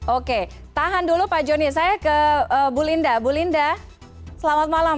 oke tahan dulu pak joni saya ke bu linda bu linda selamat malam